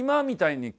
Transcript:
みたいな。